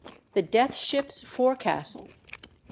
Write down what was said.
THE DEATH SHIP's FORECASTLE.